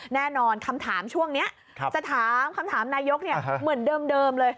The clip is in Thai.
แน่นอนคำถามช่วงนี้จะถามคำถามนายกเหมือนเดิมเลย